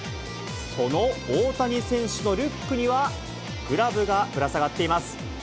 その大谷選手のリュックには、グラブがぶら下がっています。